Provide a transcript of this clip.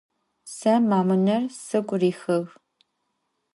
Se mamuner sıgu rihığ.